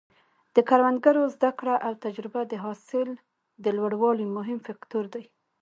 د کروندګرو زده کړه او تجربه د حاصل د لوړوالي مهم فکتور دی.